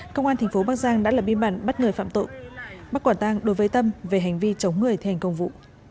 công an tp bắc giang đã lập biên bản bắt người phạm tội bắt quản tàng đối với tâm về hành vi chống người thi hành công vụ